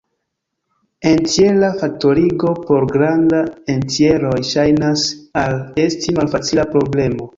Entjera faktorigo por granda entjeroj ŝajnas al esti malfacila problemo.